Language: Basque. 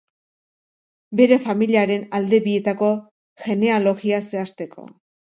Bere familiaren alde bietako genealogia zehazteko.